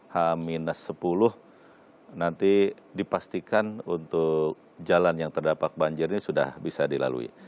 h sepuluh nanti dipastikan untuk jalan yang terdapat banjir ini sudah bisa dilalui